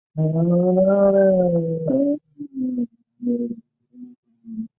包含了完美的一切技术细节